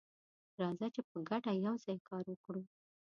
راځه چې په ګډه یوځای کار وکړو.